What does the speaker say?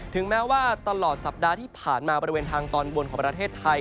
แม้ว่าตลอดสัปดาห์ที่ผ่านมาบริเวณทางตอนบนของประเทศไทย